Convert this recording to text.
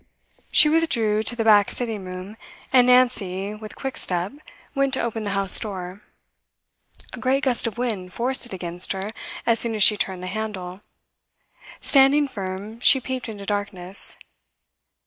She withdrew to the back sitting room, and Nancy, with quick step, went to open the house door. A great gust of wind forced it against her as soon as she turned the handle; standing firm, she peeped into darkness.